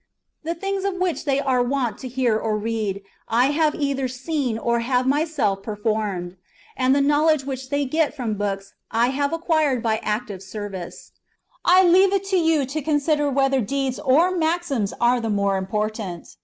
The things of which they are wont to hear or read, I have either seen or have myself performed ; and the knowledge which they get from books, I have acquired by active service. I leave it to you to consider whether deeds or maxims are the more important.